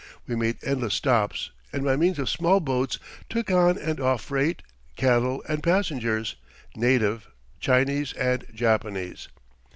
We made endless stops, and by means of small boats took on and off freight, cattle, and passengers native, Chinese and Japanese.